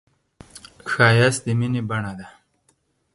ښایست د مینې بڼه ده